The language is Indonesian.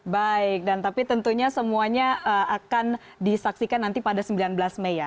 baik dan tapi tentunya semuanya akan disaksikan nanti pada sembilan belas mei ya